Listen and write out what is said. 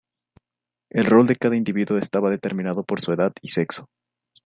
El rol de cada individuo estaba determinado por su edad y sexo.